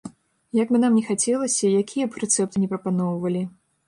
Як бы нам ні хацелася, якія б рэцэпты не прапаноўвалі.